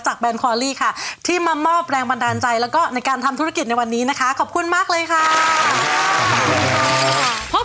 แบนคอลลี่ค่ะที่มามอบแรงบันดาลใจแล้วก็ในการทำธุรกิจในวันนี้นะคะขอบคุณมากเลยค่ะ